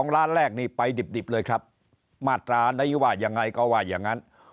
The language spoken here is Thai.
ล้านแรกนี่ไปดิบเลยครับมาตรานี้ว่ายังไงก็ว่าอย่างนั้น